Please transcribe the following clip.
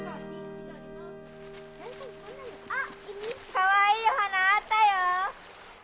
かわいいお花あったよ。